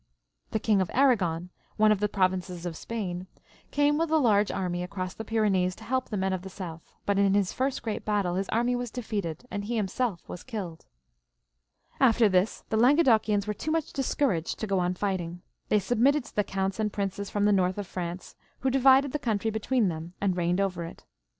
The King of Arragon, one of the provinces of Spain, came with a large army across the Pyrenees to help the men of the south, but in his first greatbattle his army was defeated, and he himself was killed. v.. After this the Languedocians were too much discou raged to go on fighting ; they submitted to the counts and princes ficom the north of France, who divided the country between them and reigned over it.